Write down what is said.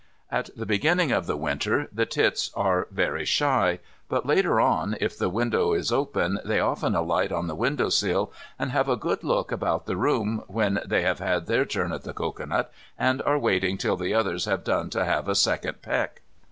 At the beginning of the Winter the tits are very shy, but later on, if the window is open, they often alight on the window sill and have a good look about the room when they have had their turn at the cocoanut and are waiting till the others have done to have a second peck.